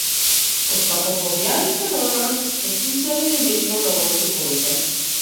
Откако го објавивте романот, сте слушнале ли нешто ново од ликовите?